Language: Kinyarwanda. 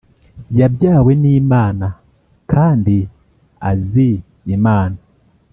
Yabyawe nimana kandiazi imana